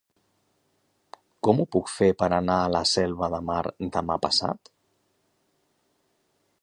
Com ho puc fer per anar a la Selva de Mar demà passat?